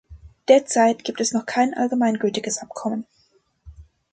Derzeit gibt es noch kein allgemeingültiges Abkommen.